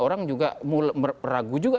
orang juga meragu juga